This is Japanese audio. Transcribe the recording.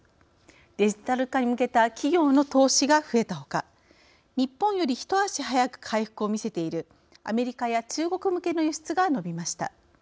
デジタル化に向けた企業の投資が増えたほか日本より一足早く回復をみせているアメリカや中国向けの輸出が伸びました。